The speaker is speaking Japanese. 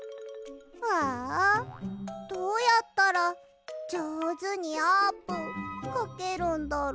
ああどうやったらじょうずにあーぷんかけるんだろ。